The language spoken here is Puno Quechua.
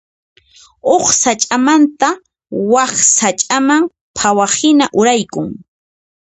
Huk sach'amanta wak sach'aman phawaqhina uraykun.